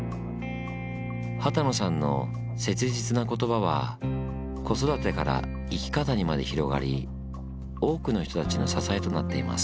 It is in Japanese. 幡野さんの切実な言葉は子育てから生き方にまで広がり多くの人たちの支えとなっています。